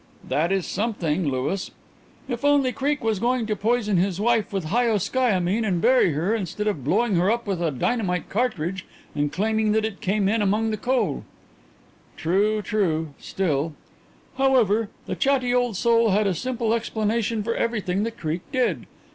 "That is something, Louis." "If only Creake was going to poison his wife with hyoscyamine and bury her, instead of blowing her up with a dynamite cartridge and claiming that it came in among the coal." "True, true. Still " "However, the chatty old soul had a simple explanation for everything that Creake did.